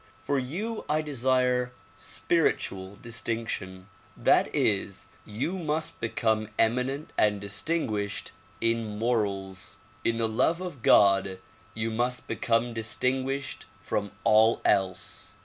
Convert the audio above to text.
For you I desire spiritual distinction; that is, you must become eminent and distinguished in morals. In the love of God you 7nust become distinguished from all else.